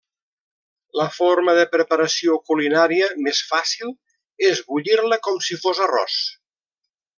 La forma de preparació culinària més fàcil és bullir-la com si fos arròs.